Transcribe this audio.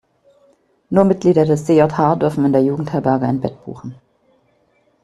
Nur Mitglieder des DJH dürfen in der Jugendherberge ein Bett buchen.